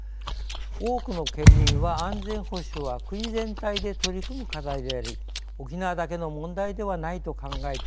多くの県民は安全保障は国全体で取り組む課題であり沖縄だけの問題ではないと考えております。